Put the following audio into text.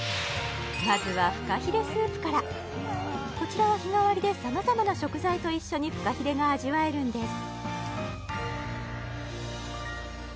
まずはフカヒレスープからこちらは日替わりでさまざまな食材と一緒にフカヒレが味わえるんです